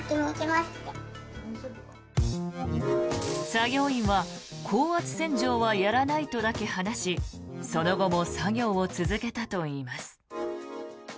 作業員は高圧洗浄はやらないとだけ話しその後も作業を続けたといいます。